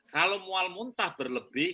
kalau mual muntah berlebih